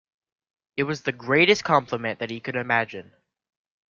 It was the greatest compliment that he could imagine.